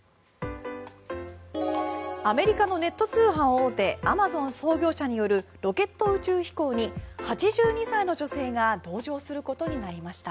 アメリカのネット通販大手アマゾン創業者によるロケット宇宙飛行に８２歳の女性が同乗することになりました。